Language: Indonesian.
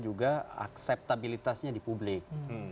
juga akseptabilitasnya di publik